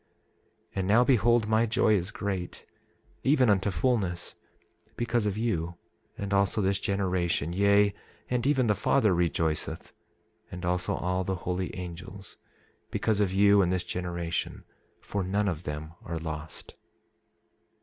27:30 And now, behold, my joy is great, even unto fulness, because of you, and also this generation; yea, and even the Father rejoiceth, and also all the holy angels, because of you and this generation; for none of them are lost.